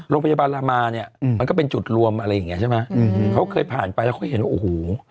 โรงพยาบาลรามาเนี่ยมันก็เป็นจุดรวมอะไรอย่างเงี้ใช่ไหมอืมเขาเคยผ่านไปแล้วเขาเห็นว่าโอ้โห